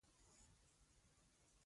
د باران ورېځ!